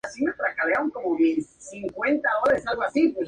Cuando se le acercaron, intentó atacarlos y fue tiroteado mortalmente.